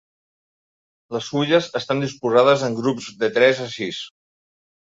Les fulles estan disposades en grups de tres a sis.